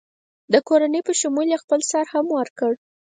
د کورنۍ په شمول یې خپل سر هم ورکړ.